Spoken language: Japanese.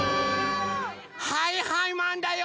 はいはいマンだよ！